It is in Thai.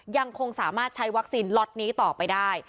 ยังคงสามารถใช้วัคซีนล็อตนี้ต่อไปได้